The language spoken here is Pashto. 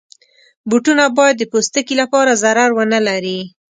بوټونه باید د پوستکي لپاره ضرر ونه لري.